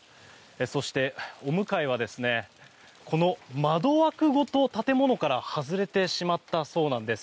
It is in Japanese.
そして、お向かいはこの窓枠ごと建物から外れてしまったそうなんです。